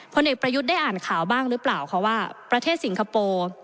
เด็กประยุทธ์ได้อ่านข่าวบ้างหรือเปล่าคะว่าประเทศสิงคโปร์